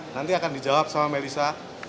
nanti akan dijawab sama melissa